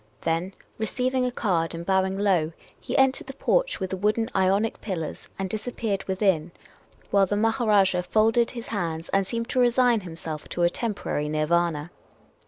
Then, receiving a card and bowing low, he entered the porch with the wooden Ionic pillars, and disappeared within, while the Maharajah THE MKSSENGER ENTERED. folded his hands and seemed to resign himself to a temporary Nirvana.